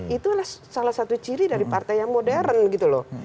itulah salah satu ciri dari partai yang modern gitu loh